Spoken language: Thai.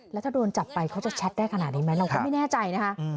แล้วถ้าโดนจับไปเขาจะแชทได้ขนาดนี้ไหมเราก็ไม่แน่ใจนะคะ